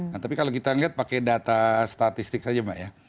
nah tapi kalau kita lihat pakai data statistik saja mbak ya